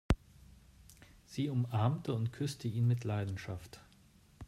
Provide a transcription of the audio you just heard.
Sie umarmte und küsste ihn mit Leidenschaft.